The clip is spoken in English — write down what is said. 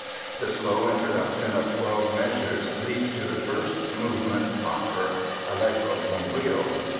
The slow introduction of twelve measures leads to the first movement proper ("Allegro con brio").